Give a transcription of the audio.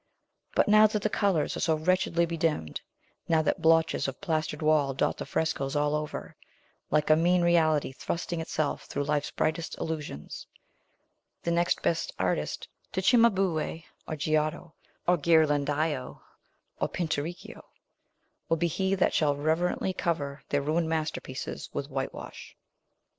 But now that the colors are so wretchedly bedimmed, now that blotches of plastered wall dot the frescos all over, like a mean reality thrusting itself through life's brightest illusions, the next best artist to Cimabue or Giotto or Ghirlandaio or Pinturicchio will be he that shall reverently cover their ruined masterpieces with whitewash!